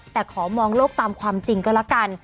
แต่ขอมองโลกตามความจริงก็แล้วกัน